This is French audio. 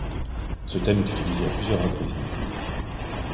Ce thème est utilisé à plusieurs reprises dans le film.